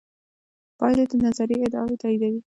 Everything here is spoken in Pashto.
پایلې د نظریې ادعاوې تاییدوي.